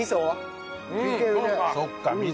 そっか味噌だ。